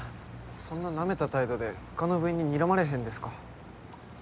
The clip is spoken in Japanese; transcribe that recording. そんななめた態度で他の部員ににらまれへんですか？